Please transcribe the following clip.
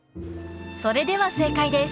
それでは正解です